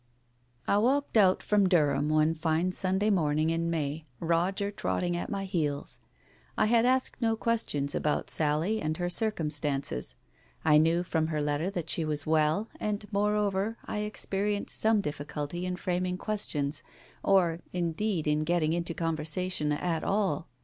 ••••••• I walked out from Durham one fine Sunday morning in May, Roger trotting at my heels. I had asked no questions about Sally and her circumstances. I knew from her letter that she was well, and moreover I experi enced some difficulty in framing questions, or indeed in getting into conversation at all.